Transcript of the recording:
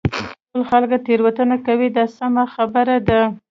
ټول خلک تېروتنې کوي دا سمه خبره ده.